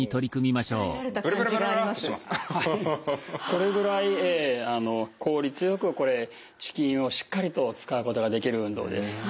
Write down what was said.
それぐらい効率よくこれ遅筋をしっかりと使うことができる運動です。